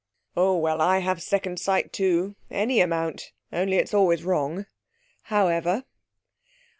'Oh, well, I have second sight too any amount; only it's always wrong. However!...'